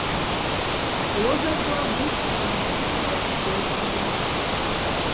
Озась главбухть шранц инголе стулти.